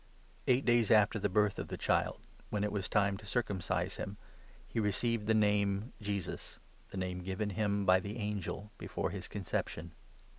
Eight days after the birth of the child, when it was time to 21 circumcise him, he received the name Jesus — the name given him by the angel before his conception.